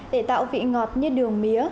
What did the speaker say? để tạo vị ngọt như đường mía